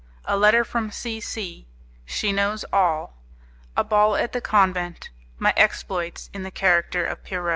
A Letter From C. C. She Knows All A Ball At the Convent; My Exploits In the Character of Pierrot C.